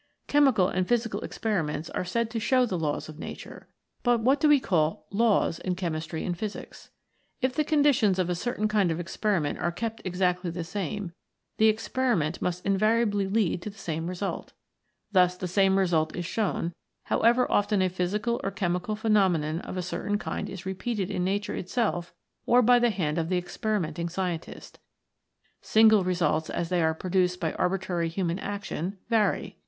Chemical and physical experiments are said to show the laws of Nature. But what do we call CHEMICAL PHENOMENA IN LIFE " Laws " in Chemistry and Physics ? If the conditions of a certain kind of experiment are kept exactly the same, the experiment must in variably lead to the same result. Thus the same result is shown, however often a physical or chemical phenomenon of a certain kind is repeated in Nature itself or by the hand of the experiment ing scientist. Single results, as they are produced by arbitrary human action, vary.